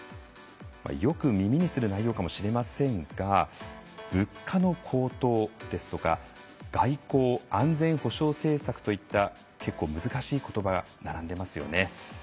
よく耳にする内容かもしれませんが「物価の高騰」ですとか「外交・安全保障政策」といった結構、難しいことばが並んでますよね。